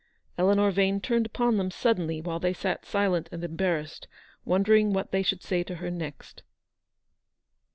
Eleanor Vane turned upon them suddenly while they sat silent and embarrassed, wondering what they should say to her next.